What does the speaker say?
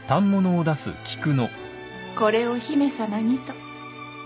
これを姫様にと。